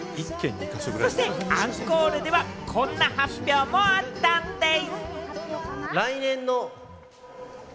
そしてアンコールでは、こんな発表もあったんでぃす。